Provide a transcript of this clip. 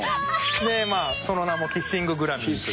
その名もキッシンググラミーという。